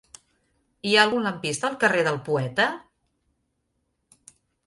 Hi ha algun lampista al carrer del Poeta?